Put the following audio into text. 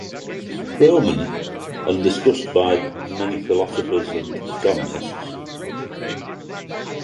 Roman, and discussed by many philosophers and economists.